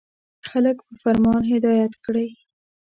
• خلک په فرمان هدایت کړئ.